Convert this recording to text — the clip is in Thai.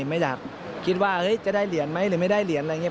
ไม่อยากคิดว่าจะได้เหรียญไหมหรือไม่ได้เหรียญอะไรอย่างนี้